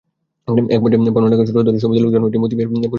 একপর্যায়ে পাওনা টাকার সূত্র ধরে সমিতির লোকজন মতি মিয়ার বসতবাড়ি দখলে নেন।